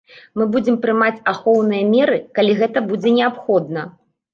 Мы будзем прымаць ахоўныя меры, калі гэта будзе неабходна.